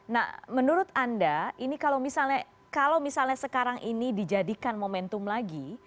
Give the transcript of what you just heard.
nah menurut anda ini kalau misalnya sekarang ini dijadikan momentum lagi